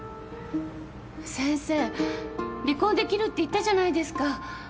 先生「離婚できる」って言ったじゃないですか。